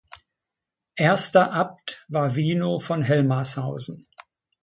Erster Abt war Wino von Helmarshausen.